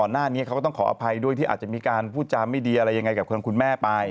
หน้านี้เขาก็ต้องขออภัยด้วยที่อาจจะมีการพูดจาไม่ดีอะไรยังไงกับคุณแม่ไป